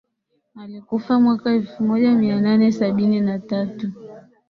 Alikufa mwaka elfu moja mia nane sabini na tatu